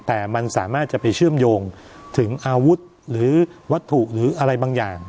แต่มันสามารถจะไปเชื่อมโยงถึงอาวุธหรือวัตถุหรืออะไรบางอย่าง